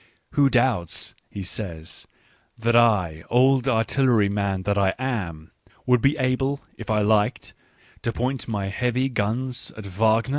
" Who doubts," he says, " that I, old artillery man that I am, would be able if I liked to point my heavy guns at Wagner